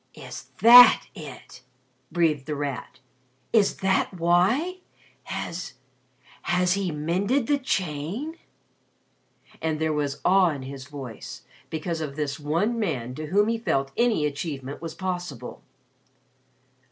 "Is that it!" breathed The Rat. "Is that why? Has has he mended the chain?" And there was awe in his voice, because of this one man to whom he felt any achievement was possible.